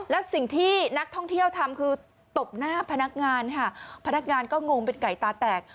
แล้วสิ่งที่นักท่องเที่ยวทำคือตบหน้าพนักงานค่ะพนักงานก็งงเป็นไก่ตาแตก